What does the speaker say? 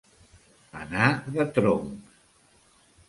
Anar de tronc.